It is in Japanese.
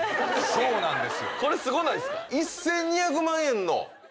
そうなんです。